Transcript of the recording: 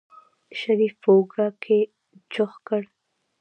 شريف په اوږه کې چوخ کړ.